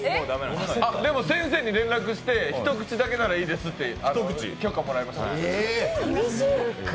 でも、先生に連絡して一口だけならいいですって許可もらいました。